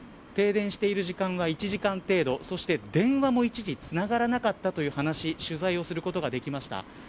停電している時間は１時間程度電話も一時つながらなかったという話取材をすることができました。